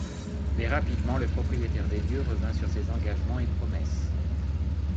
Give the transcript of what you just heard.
Mais rapidement le propriétaire des lieux revint sur ses engagements et promesses.